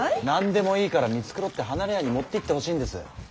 何でもいいから見繕って離れ屋に持っていってほしいんです。